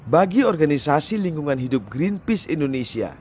bagi organisasi lingkungan hidup green